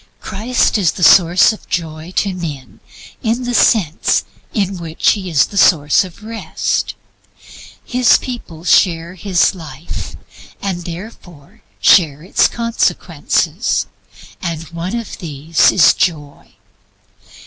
Christ is the source of Joy to men in the sense in which He is the source of Rest. His people share His life, and therefore share its consequences, and one of these is Joy.